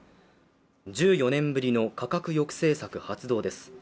１４年ぶりの価格抑制策発動です。